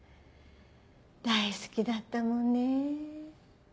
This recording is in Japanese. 大好きだったもんね。